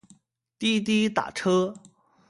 滴滴打车